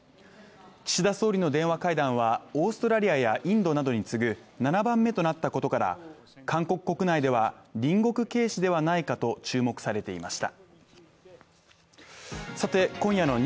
岸田総理の電話会談やオーストラリアやインドなどに次ぐ７番目となったことから韓国国内では隣国軽視ではないかと注目されていました。